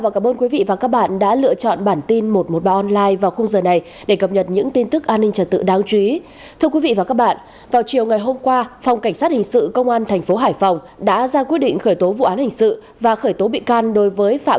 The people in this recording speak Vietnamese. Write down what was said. cảm ơn các bạn đã theo dõi